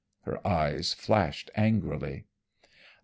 Her eyes flashed angrily.